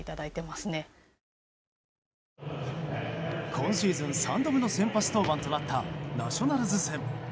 今シーズン３度目の先発登板となったナショナルズ戦。